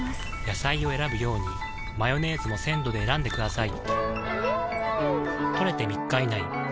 野菜を選ぶようにマヨネーズも鮮度で選んでくださいん！